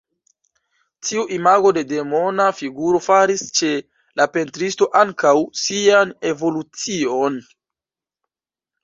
Tiu imago de Demona figuro faris ĉe la pentristo ankaŭ sian evolucion.